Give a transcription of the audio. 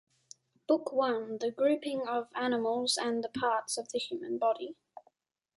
Book One The grouping of animals and the parts of the human body.